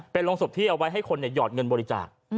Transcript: เป็นโรงศพที่เอาไว้ให้คนหยอดเงินบริจาค